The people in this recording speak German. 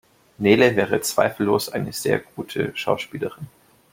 Nele wäre zweifellos eine sehr gute Schauspielerin.